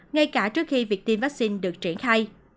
ngay cả trước khi việc tiêm vắc xin được triển khai